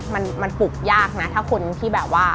มันปลุกยากนะถ้าคนที่แบบว่า